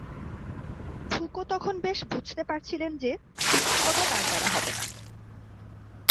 Foucault তখন বেশ বুঝতে পারছিলেন যে, শিক্ষকতা তার দ্বারা হবেনা।